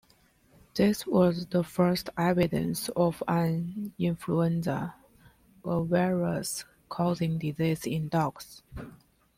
This was the first evidence of an influenza A virus causing disease in dogs.